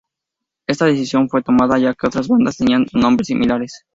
Esta decisión fue tomada ya que otras bandas tenían nombres similares.